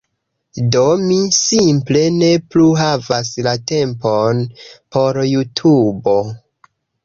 Do mi simple ne plu havas la tempon por Jutubo